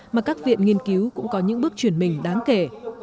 mà các viện nghiên cứu cũng có những bước chuyển mình đáng kể